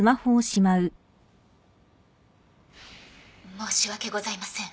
申し訳ございません。